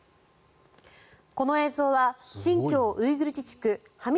この映像は新疆ウイグル自治区哈密